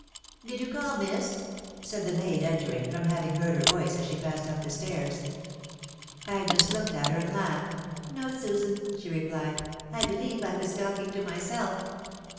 "" Did you call, miss ?" said the maid entering, from having heard her voice as she passed up the stairs. Agnes looked at her and laughed. " No, Susan," she re plied ;" I believe I was talking to myself."